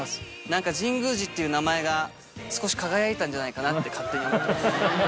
なんか、神宮寺って名前が、少し輝いたんじゃないかなって、勝手に思います。